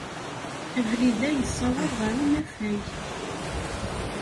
Abrid-a yessawaḍ ɣer unafag.